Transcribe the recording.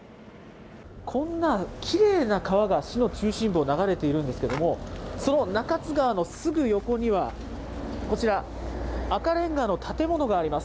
こんなきれいな川が市の中心部を流れているんですけれども、その中津川のすぐ横には、こちら、赤れんがの建物があります。